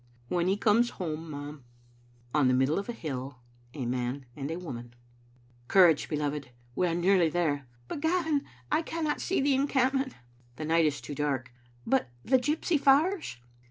" "When he comes home, ma'am." On the middle of a hill — a man and a woman: "Courage, beloved; we are nearly there." "But, Gavin, I cannot see the encampment'* " The night is too dark." "But the gypsy fires?"